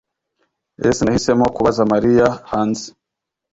S Nahisemo kubaza Mariya hanze